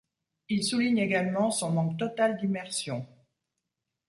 Il souligne également son manque total d'immersion.